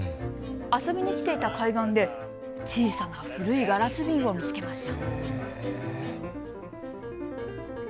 遊びに来ていた海岸で小さな古いガラス瓶を見つけました。